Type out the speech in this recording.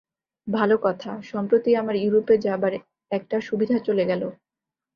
ভাল কথা, সম্প্রতি আমার ইউরোপে যাবার একটা সুবিধা চলে গেল।